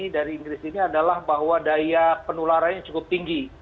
dari inggris ini adalah bahwa daya penularannya cukup tinggi